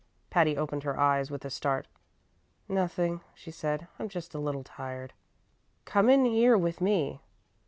Patty opened her eyes with a start. "Nothing," she said; "I'm just a little tired." "Come in here with me."